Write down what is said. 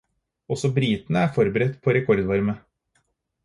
Også britene er forberedt på rekordvarme.